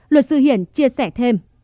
luật sư hiền chia sẻ thêm